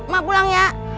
mak pulang ya